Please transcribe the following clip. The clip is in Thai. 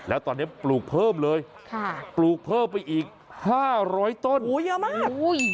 แล้วตอนเนี้ยปลูกเพิ่มเลยค่ะปลูกเพิ่มไปอีกห้าร้อยต้นโอ้ยยามากโอ้ย